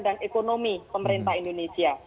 dan ekonomi pemerintah indonesia